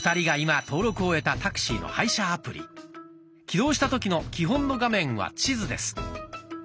起動した時の基本の画面は地図です。